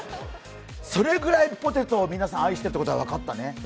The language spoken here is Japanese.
それぐらいポテトを皆さん愛していることが分かったね。